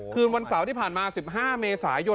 คืนวันเสาร์ที่ผ่านมา๑๕เมษายน